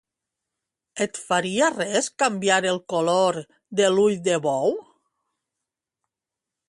Et faria res canviar el color de l'ull de bou?